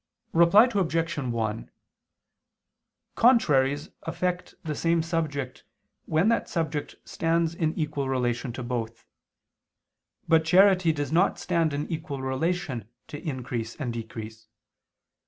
Reply Obj. 1: Contraries affect the same subject when that subject stands in equal relation to both. But charity does not stand in equal relation to increase and decrease.